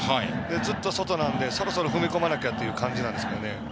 ずっと外なのでそろそろ踏み込まなきゃという感じなんですね。